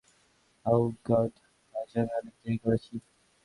ওহ god, আজ আমি অনেক দেরি করেছি।